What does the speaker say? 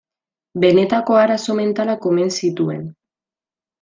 Benetako arazo mentalak omen zituen.